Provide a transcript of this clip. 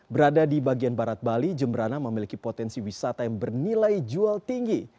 berada di bagian barat bali jemberana memiliki potensi wisata yang bernilai jual tinggi